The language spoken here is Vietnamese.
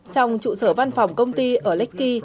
trong trụ sở văn phòng công ty ở lekki